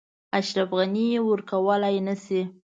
اشرف غني یې ورکولای نه شي.